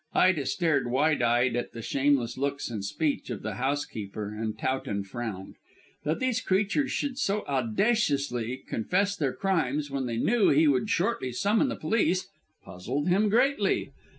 Ida stared wide eyed at the shameless looks and speech of the housekeeper, and Towton frowned. That these creatures should so audaciously confess their crimes when they knew he would shortly summon the police puzzled him greatly.